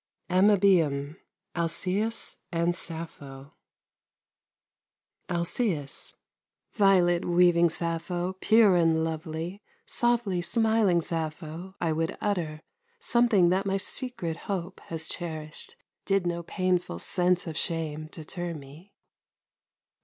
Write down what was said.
AMŒBEUM: ALCÆUS AND SAPPHO ALCUSÆUS Violet weaving Sappho, pure and lovely, Softly smiling Sappho, I would utter Something that my secret hope has cherished, Did no painful sense of shame deter me.